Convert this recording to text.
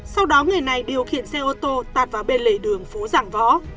sau đó người này điều khiển xe ô tô tạt vào bên lề đường phố giảng võ